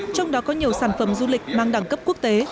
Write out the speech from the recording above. trong đó có nhiều sản phẩm du lịch mang đẳng cấp quốc tế